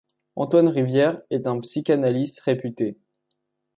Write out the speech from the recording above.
Antoine Rivière est un psychanalyste réputé.